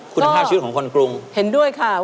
คุณภาพชีวิตของคนกรุง